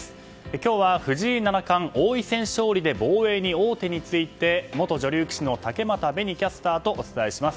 今日は、藤井七冠王位戦勝利で防衛に王手について元女流棋士の竹俣紅キャスターとお伝えします。